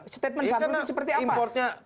statement bangkrut itu seperti apa